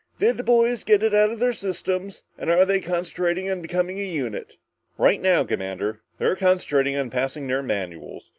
Did the boys get it out of their systems and are they concentrating on becoming a unit?" "Right now, Commander, they're concentrating on passing their manuals.